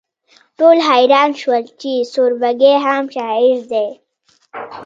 ټول حیران شول چې سوربګی هم شاعر دی